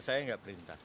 saya enggak perintah